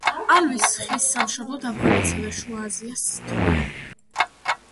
ალვის ხის სამშობლოდ ავღანეთსა და შუა აზიას თვლიან.